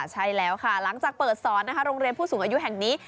ใช่แล้วค่ะหลังจากเปิดสอนนะคะโรงเรียนผู้สูงอายุแห่งนี้